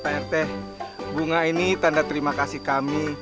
pak rt bunga ini tanda terima kasih kami